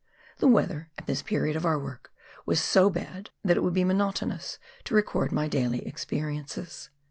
The weather, at this period of our work, was so bad that it would be monotonous to record my daily experiences.